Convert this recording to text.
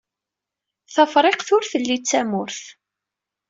Tafriqt ur telli d tamurt.